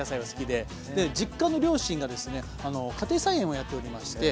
で実家の両親がですね家庭菜園をやっておりまして。